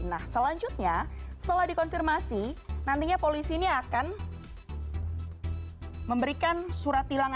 nah selanjutnya setelah dikonfirmasi nantinya polisi ini akan memberikan surat tilang elektronik